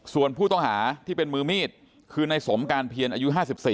ส่วนผู้ต้องหาที่เป็นมือมีดคือในสมการเพียรอายุ๕๔